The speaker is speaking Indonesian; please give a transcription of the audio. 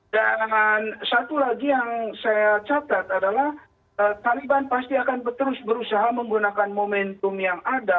dan satu lagi yang saya catat adalah taliban pasti akan terus berusaha menggunakan momentum yang ada